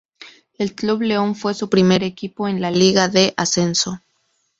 El Club León fue su primer equipo en la Liga de Ascenso.